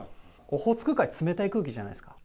オホーツク海、冷たい空気じゃないですか。